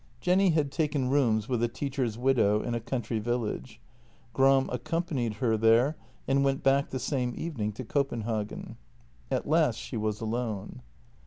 Jenny had taken rooms with a teacher's widow in a country village. Gram accompanied her there and went back the same evening to Copenhagen. At last she was alone.